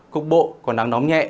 cục bộ có nắng nóng nhẹ